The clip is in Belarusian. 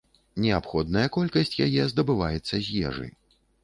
Неабходная колькасць яе здабываецца з ежы.